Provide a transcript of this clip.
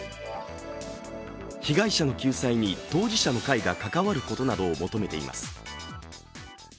被害者の救済に当事者の会が関わることなどを求めています。